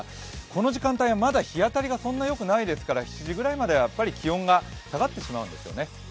この時間帯はまだ日当たりがそんなによくないですから７時くらいまでは気温が下がってしまうんですよね。